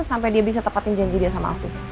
sampai dia bisa tepatin janji dia sama aku